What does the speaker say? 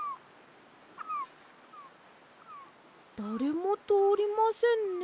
だれもとおりませんね。